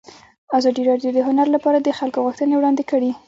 ازادي راډیو د هنر لپاره د خلکو غوښتنې وړاندې کړي.